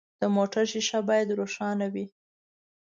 د موټر شیشه باید روښانه وي.